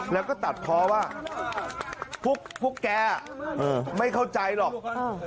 แล้วก็ตัดพ่อว่าพวกพวกแกอ่ะอืมไม่เข้าใจหรอกอืม